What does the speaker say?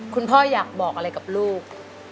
พ่ออยากบอกอะไรกับลูก